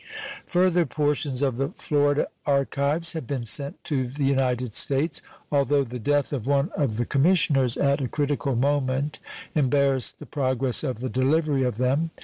Further portions of the Florida archives have been sent to the United States, although the death of one of the commissioners at a critical moment embarrassed the progress of the delivery of them.